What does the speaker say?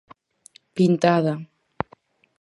Pintada.